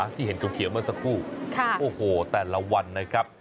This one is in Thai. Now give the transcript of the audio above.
ที่เห็นเขียวเมื่อสักครู่โอ้โหแต่ละวันนะครับ